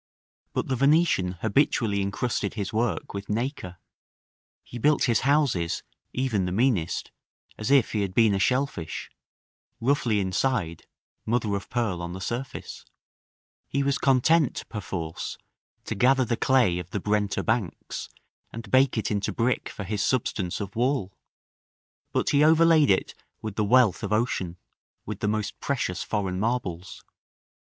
But the Venetian habitually incrusted his work with nacre; he built his houses, even the meanest, as if he had been a shell fish, roughly inside, mother of pearl on the surface: he was content, perforce, to gather the clay of the Brenta banks, and bake it into brick for his substance of wall; but he overlaid it with the wealth of ocean, with the most precious foreign marbles.